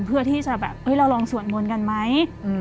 เพื่อที่จะแบบเราลองสวดมนต์กันไหม